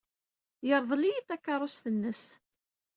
Yerḍel-iyi-d takeṛṛust-nnes.